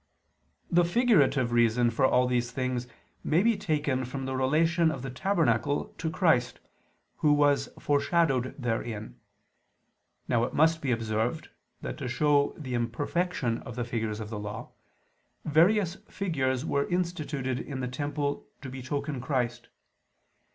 The figurative reason for all these things may be taken from the relation of the tabernacle to Christ, who was foreshadowed therein. Now it must be observed that to show the imperfection of the figures of the Law, various figures were instituted in the temple to betoken Christ.